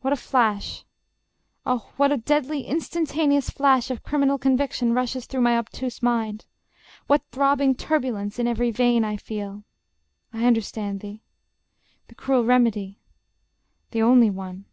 What a flash. Oh, what a deadly, instantaneous flash Of criminal conviction rushes through My obtuse mind! What throbbing turbulence In ev'ry vein I feel! I understand thee: The cruel remedy ... the only one